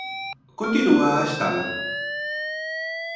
Continúa a estalo?